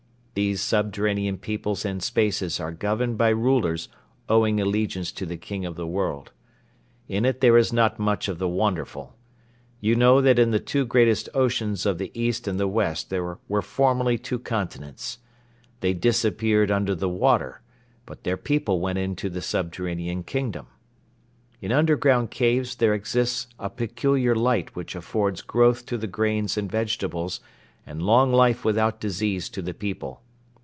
These subterranean peoples and spaces are governed by rulers owing allegiance to the King of the World. In it there is not much of the wonderful. You know that in the two greatest oceans of the east and the west there were formerly two continents. They disappeared under the water but their people went into the subterranean kingdom. In underground caves there exists a peculiar light which affords growth to the grains and vegetables and long life without disease to the people.